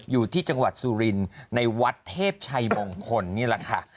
อยู่ที่จังหวัดสุรินในวัดเทพชัยมงคลนี่แหละค่ะ